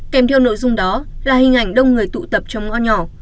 kèm theo nội dung đó là hình ảnh đông người tụ tập trong ngõ nhỏ